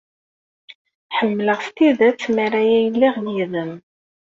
Ḥemmleɣ s tidet mi ara iliɣ yid-m.